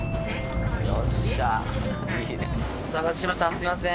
すみません。